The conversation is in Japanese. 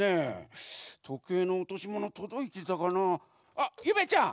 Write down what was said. あっゆめちゃん！